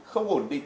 không ổn định